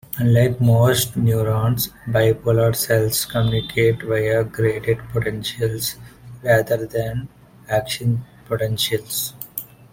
Unlike most neurons, bipolar cells communicate via graded potentials, rather than action potentials.